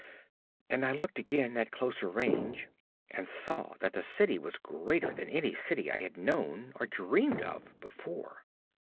And I looked again, at closer range, and saw that the city was greater than any city I had known or dreamed of before.